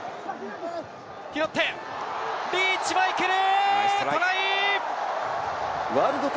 拾って、リーチ・マイケル！